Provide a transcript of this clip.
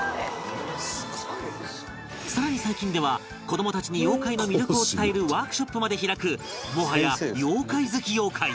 更に最近では子どもたちに妖怪の魅力を伝えるワークショップまで開くもはや妖怪好き妖怪！